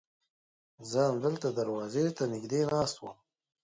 زه همدلته دروازې ته نږدې ناست وم.